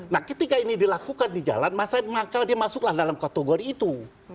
nah ketika ini dilakukan di jalan maka dia masuklah dalam kategori itu